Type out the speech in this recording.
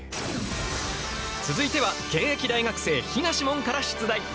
続いては現役大学生東問から出題！